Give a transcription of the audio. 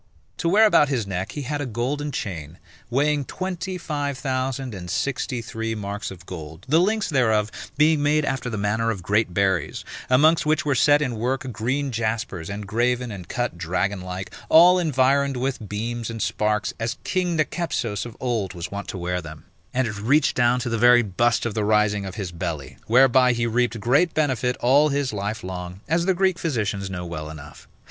To wear about his neck, he had a golden chain, weighing twenty five thousand and sixty three marks of gold, the links thereof being made after the manner of great berries, amongst which were set in work green jaspers engraven and cut dragon like, all environed with beams and sparks, as king Nicepsos of old was wont to wear them: and it reached down to the very bust of the rising of his belly, whereby he reaped great benefit all his life long, as the Greek physicians know well enough.